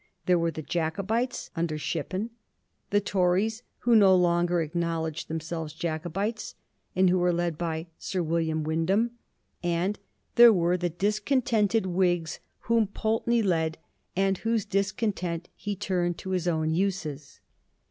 There were the Jacobites, under Shippen ; the Tories who no longer acknow ledged themselves Jacobites, and who were led by Sir William Wyndham ; and there were the discontented Whigs whom Pulteney led and whose discontent he turned to his own uses.